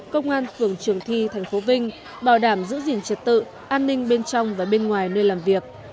công an phường trường thi tp vinh bảo đảm giữ gìn trật tự an ninh bên trong và bên ngoài nơi làm việc